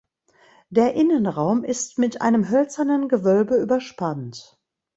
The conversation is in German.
Der Innenraum ist mit einem hölzernen Gewölbe überspannt.